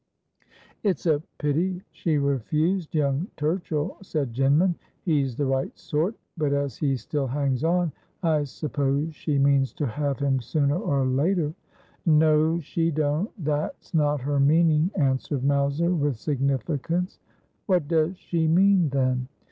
' It's a pityshe refused young Turchill,' said Jinman. ' He's the right sort. But as he still hangs on, I suppose she means to have him sooner or later.' ' No, she don't. Thafs not her meaning,' answered Mowser with significance. ' What does she mean, then